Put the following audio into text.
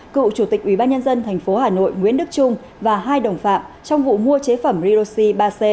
cựu chủ tịch ubnd tp hà nội nguyễn đức trung và hai đồng phạm trong vụ mua chế phẩm ridosi ba c